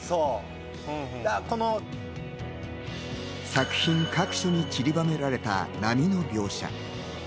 作品各所にちりばめられた波の描写。